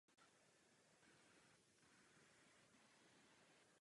Grafika bude podporovat technologii sledování paprsku.